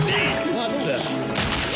何だ？